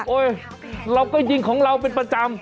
เราก็ยิงของเราเป็นประจำ